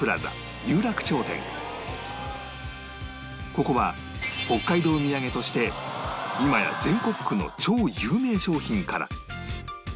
ここは北海道土産として今や全国区の超有名商品から